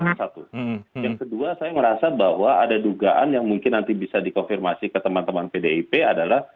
yang kedua saya merasa bahwa ada dugaan yang mungkin nanti bisa dikonfirmasi ke teman teman pdip adalah